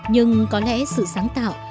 nhưng có lẽ sự sáng tạo